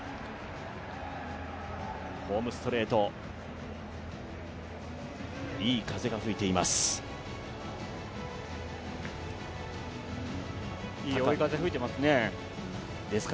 ホームストレート、いい風が吹いています。